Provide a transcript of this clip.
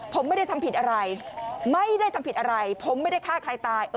ผมไม่ได้ทำผิดอะไรไม่ได้ทำผิดอะไรผมไม่ได้ฆ่าใครตาย